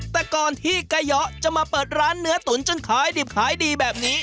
แต่ก่อนที่กะเยาะจะมาเปิดร้านเนื้อตุ๋นจนขายดิบขายดีแบบนี้